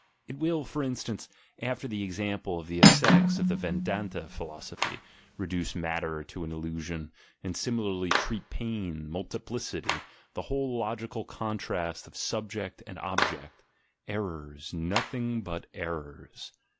It will, for instance, after the example of the ascetics of the Vedanta Philosophy, reduce matter to an illusion, and similarly treat pain, multiplicity, the whole logical contrast of "Subject" and "Object" — errors, nothing but errors!